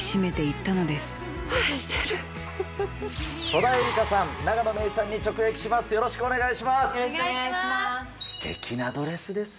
戸田恵梨香さん、永野芽郁さんに直撃します。